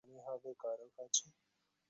পানি হবে কারো কাছে?